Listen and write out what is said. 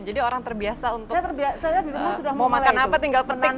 jadi orang terbiasa untuk mau makan apa tinggal petik gitu